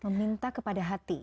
meminta kepada hati